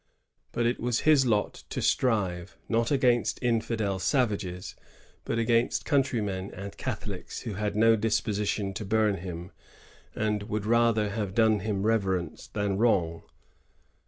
But it was his lot to strive, not against infidel savages, but against country men and Catholics, who had no disposition to bum him, and would rather have done him reverence than wrong.